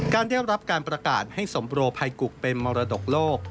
ได้รับการประกาศให้สมโปรภัยกุกเป็นมรดกโลก